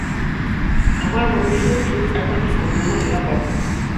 আমার ভবিষ্যৎ সুখ এখন সম্পূর্ণ নিরাপদ।